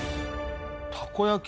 たこ焼き